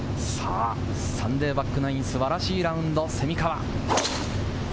サンデーバックナイン、素晴らしいラウンド、蝉川。